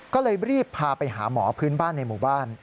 ก็เลยรีบพาไปหาหมอพื้นบ้านในหมู่บ้าน